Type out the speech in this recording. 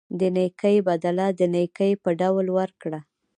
د نیکۍ بدله د نیکۍ په ډول ورکړه.